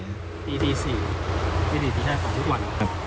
ตีสี่ตีสี่ตีห้าของทุกวัน